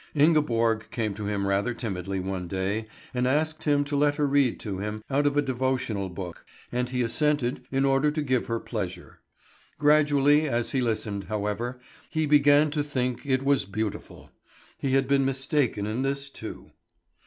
Ingeborg came to him rather timidly one day, and asked him to let her read to him out of a devotional book, and he assented in order to give her a pleasure. Gradually as he listened, however, he began to think it was beautiful. He had been mistaken in this too.